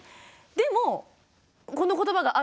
でもこの言葉があるんだ。